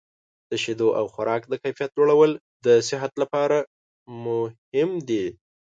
د شیدو او خوراک د کیفیت لوړول د صحت لپاره مهم دي.